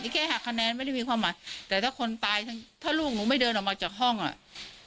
แค่หักคะแนนไม่ได้มีความหมายแต่ถ้าคนตายถ้าลูกหนูไม่เดินออกมาจากห้องอ่ะ